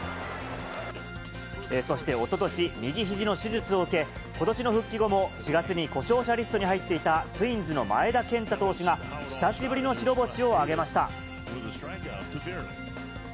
そしておととし、右ひじの手術を受け、ことしの復帰後も、４月に故障者リストに入っていたツインズの前田健太投手が、久しぶりの白星を挙げました。